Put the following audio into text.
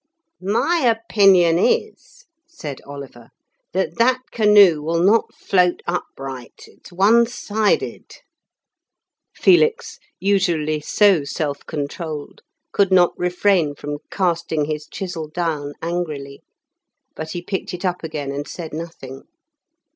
"My opinion is," said Oliver, "that that canoe will not float upright. It's one sided." Felix, usually so self controlled, could not refrain from casting his chisel down angrily. But he picked it up again, and said nothing.